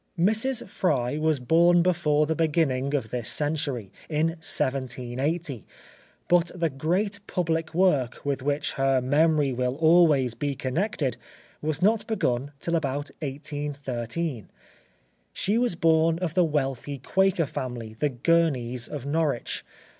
Mrs. Fry was born before the beginning of this century—in 1780—but the great public work with which her memory will always be connected was not begun till about 1813. She was born of the wealthy Quaker family, the Gurneys of Norwich.